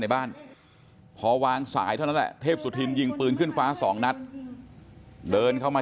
ในบ้านพอวางสายเท่านั้นแหละเทพสุธินยิงปืนขึ้นฟ้าสองนัดเดินเข้ามา